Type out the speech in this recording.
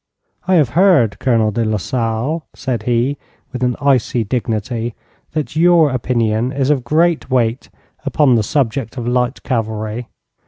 'I have heard, Colonel de Lasalle,' said he, with an icy dignity, 'that your opinion is of great weight upon the subject of light cavalry.